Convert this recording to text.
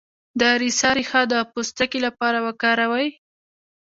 د اریسا ریښه د پوستکي لپاره وکاروئ